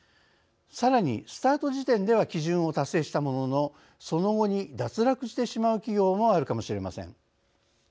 さらに、スタート時点では基準を達成したもののその後に、脱落してしまう企業もあるかもしれません。